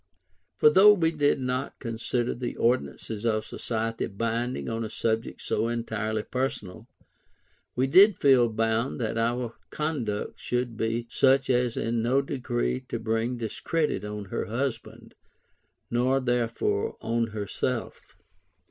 For though we did not consider the ordinances of society binding on a subject so entirely personal, we did feel bound that our conduct should be such as in no degree to bring discredit on her husband, nor therefore on herself.